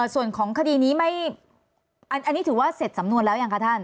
ส่วนของคดีนี้ไม่อันนี้ถือว่าเสร็จสำนวนแล้วยังคะท่าน